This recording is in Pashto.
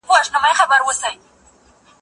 زه به بوټونه پاک کړي وي!؟